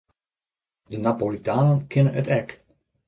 De Napolitanen kinne it ek.